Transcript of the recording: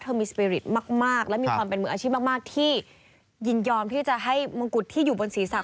ที่ศีรษะของมิสฟิลิปตินส์แทน